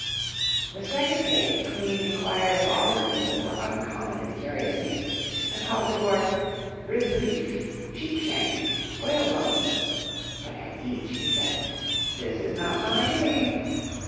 The second day the Queen inquired of all her people for uncommon and curious names, and called the Dwarf "Ribs of Beef," "Sheep shank," "Whalebone," but at each he said, "This is not my name."